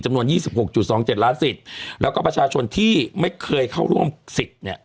จำนวน๒๖๒๗ล้านสิทธิ์แล้วก็ประชาชนที่ไม่เคยเข้าร่วมสิทธิ์เนี่ย